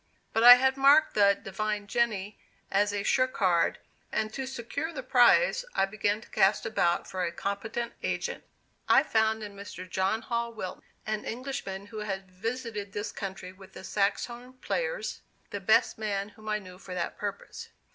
But I had marked the "divine Jenny" as a sure card, and to secure the prize I began to cast about for a competent agent. I found in Mr. John Hall Wilton, an Englishman who had visited this country with the Sax Horn Players, the best man whom I knew for that purpose.